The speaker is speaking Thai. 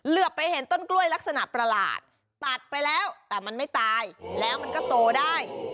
เหลือไปเห็นต้นกล้วยลักษณะประหลาดตัดไปแล้วแต่มันไม่ตายแล้วมันก็โตได้